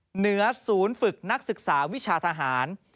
เหนือศูนย์ฝึกนักศึกษาวิชาทหาร